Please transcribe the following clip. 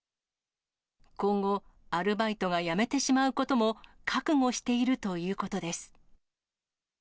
今後、アルバイトが辞めてしまうことも覚悟しているということです。